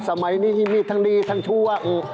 สมัยนี้ที่มีทั้งดีทั้งชั่ว